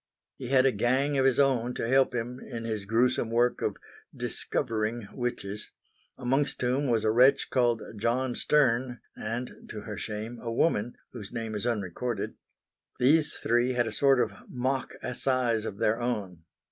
He had a gang of his own to help him in his gruesome work of "discovering" witches; amongst whom was a wretch called John Stern and to her shame a woman, whose name is unrecorded. These three had a sort of mock assize of their own.